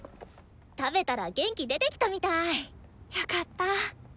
食べたら元気出てきたみたい。よかった。